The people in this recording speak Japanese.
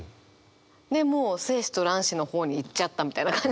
でもう「精子と卵子」の方にいっちゃったみたいな感じが。